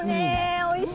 おいしい。